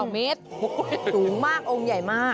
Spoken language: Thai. ๒เมตรสูงมากองค์ใหญ่มาก